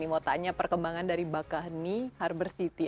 mau tanya perkembangan dari baka henni harbour city